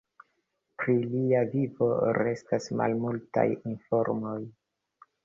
Pri lia vivo restas malmultaj informoj.